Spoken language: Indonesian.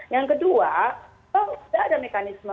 yang kedua kalau sudah ada mekanisme